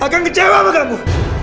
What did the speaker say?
kang kecewa sama kamu